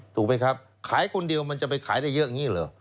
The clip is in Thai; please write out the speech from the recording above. ถูกไหมครับขายคนเดียวมันจะไปขายได้เยอะอย่างนี้เหรอ